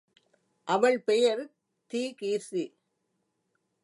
அவள் பெயர் தீகிர்சி.